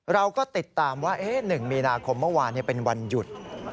เราก็ติดตามว่า๑มีนาคมวันคือวันหยุด